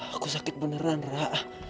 aku sakit beneran ra